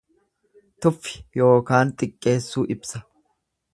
Tuffi yookaan xiqqeessuu ibsa.